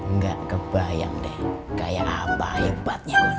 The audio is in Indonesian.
nggak kebayang deh kayak apa hebatnya gua nanti